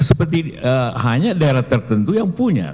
seperti hanya daerah tertentu yang punya